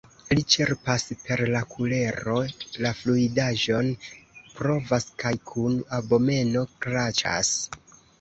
Li ĉerpas per la kulero la fluidaĵon, provas kaj kun abomeno kraĉas.